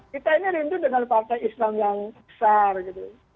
kita ini rindu dengan partai islam yang besar gitu